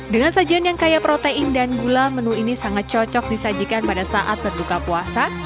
dengan sajian yang kaya protein dan gula menu ini sangat cocok disajikan pada saat berbuka puasa